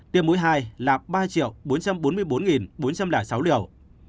tiêm mũi hai là ba bốn trăm bốn mươi bốn bốn trăm linh sáu liều